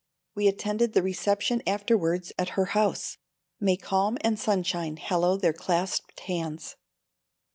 We attended the reception afterwards at her house. "May calm and sunshine hallow their clasped hands."